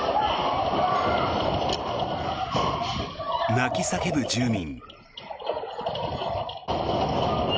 泣き叫ぶ住民。